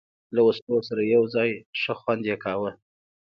له وسلو سره یو ځای، ښه خوند یې کاوه.